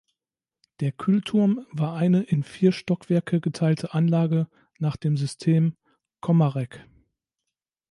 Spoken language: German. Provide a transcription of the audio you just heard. Der Kühlturm war eine in vier Stockwerke geteilte Anlage nach dem System Komarek.